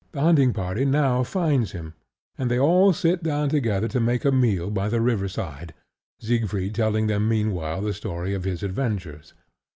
The hunting party now finds him; and they all sit down together to make a meal by the river side, Siegfried telling them meanwhile the story of his adventures.